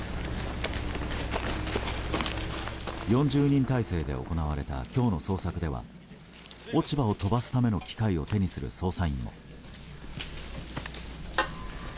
４０人態勢で行われた今日の捜索では落ち葉を飛ばすための機械を手にする捜査員も。